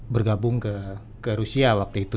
bergabung ke rusia waktu itu